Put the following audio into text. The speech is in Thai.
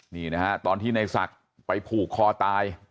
นี่นะฮะตอนที่ในศักดิ์ไปผูกคอตาย